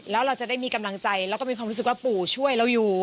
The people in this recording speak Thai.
แล้วเราจะได้มีกำลังใจแล้วก็มีความรู้สึกว่าปู่ช่วยเราอยู่